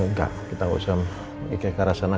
enggak kita harus ikat ke arah sana